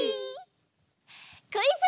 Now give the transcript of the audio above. クイズ！